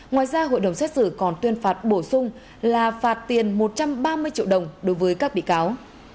ngoài ra hội đồng xét xử còn tuyên phạt bổ sung là phạt tiền một trăm ba mươi triệu đồng đối với các bị cáo